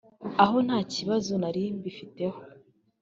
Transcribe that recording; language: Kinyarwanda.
aho nta kibazo nari mbifiteho